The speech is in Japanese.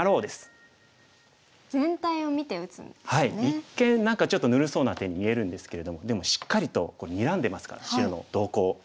一見何かちょっとぬるそうな手に見えるんですけれどもでもしっかりとにらんでますから白の動向を。